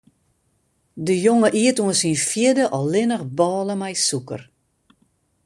De jonge iet oant syn fjirde allinnich bôle mei sûker.